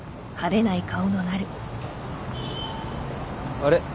あれ？